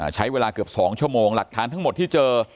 ใช้เวลาเกือบ๒ชั่วโมงหลักฐานทั้งหมดที่เจอ